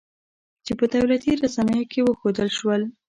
چې په دولتي رسنیو کې وښودل شول